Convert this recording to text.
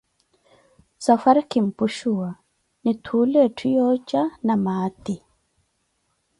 Safwari kinpushuwa, nitthuule etthu yooja na maati.